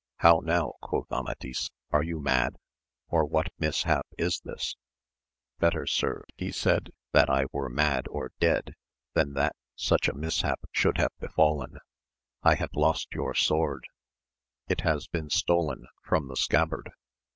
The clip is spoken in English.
How now ? quoth Amadis : are you mad 1 or what mishap is this 1 Better sir, he said, that I were mad or dead than that such a mishap should have befallen. I have lost your sword, it has been stolen from the scabbard.